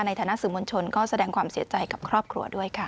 ในฐานะสื่อมวลชนก็แสดงความเสียใจกับครอบครัวด้วยค่ะ